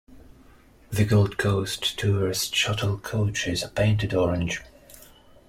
The Gold Coast Tourist Shuttle coaches are painted orange.